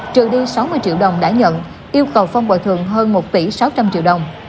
trừ đi sáu mươi triệu đồng đã nhận yêu cầu phong bồi thường hơn một tỷ sáu trăm linh triệu đồng